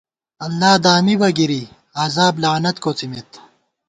اللہ دامِبہ گرِی عذاب لعنت کوڅِمېت